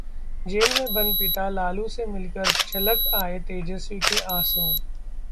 jail में बंद पिता लालू से मिलकर छलक आए तेजस्वी के आंसू